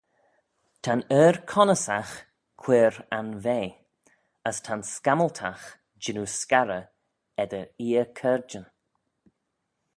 Ta'n er-connyssagh cuirr anvea, as ta'n scammyltagh jannoo scarrey eddyr eer caarjyn.